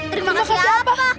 terima kasih apa